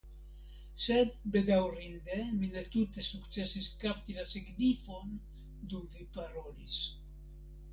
Sed, bedaŭrinde mi ne tute sukcesis kapti la signifon dum vi parolis.